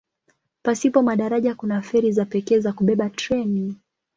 Pasipo madaraja kuna feri za pekee za kubeba treni.